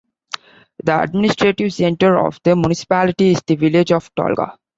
The administrative centre of the municipality is the village of Tolga.